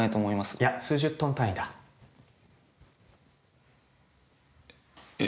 いや数十トン単位だ。えっ？